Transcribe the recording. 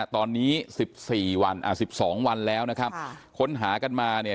ตอนนี้สิบสี่วันอ่าสิบสองวันแล้วนะครับค่ะค้นหากันมาเนี่ย